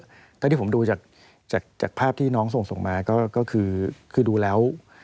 เท่าที่ผมดูจากภาพที่น้องส่งส่งมาก็คือดูแล้ว